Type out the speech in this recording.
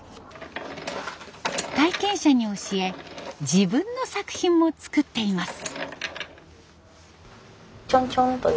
体験者に教え自分の作品も作っています。